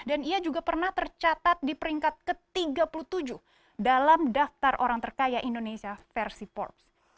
dan ia juga pernah tercatat di peringkat ke tiga puluh tujuh dalam daftar orang terkaya indonesia versi forbes